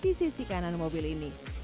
di sisi kanan mobil ini